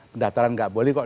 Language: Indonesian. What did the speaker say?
pendaftaran gak boleh